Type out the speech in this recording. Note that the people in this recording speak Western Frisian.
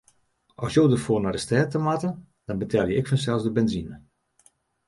As jo derfoar nei de stêd ta moatte, dan betelje ik fansels de benzine.